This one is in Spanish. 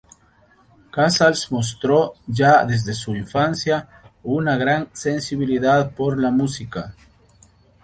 Casals mostró ya desde su infancia una gran sensibilidad por la música.